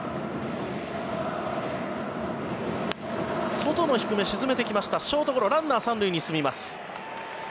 外の低め、沈めてきましたショートゴロランナーは３塁に進みます。